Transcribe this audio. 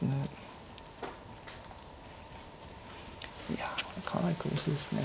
いやかなり苦しいですね